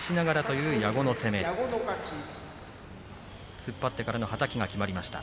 突っ張ってからのはたきがありました。